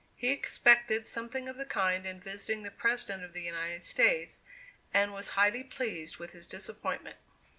He expected something of the kind in visiting the President of the United States, and was highly pleased with his disappointment.